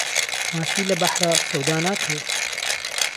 ماسی له بهحرا سهودا ناکرێت